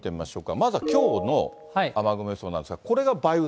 まずはきょうの雨雲予想なんですが。